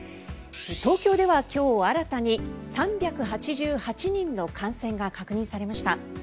東京では今日新たに３８８人の感染が確認されました。